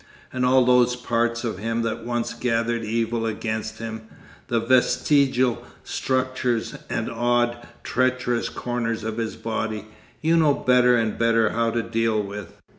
And all those parts of him that once gathered evil against him, the vestigial structures and odd, treacherous corners of his body, you know better and better how to deal with.